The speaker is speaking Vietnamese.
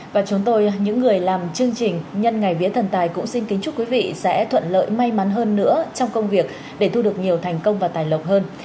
và chúng tôi những người làm chương trình nhân ngày viễn thần tài cũng xin kính chúc quý vị sẽ thuận lợi may mắn hơn nữa trong công việc để thu được nhiều thành công và tài lộc hơn